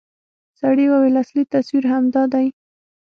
سړي وويل اصلي تصوير همدا دى.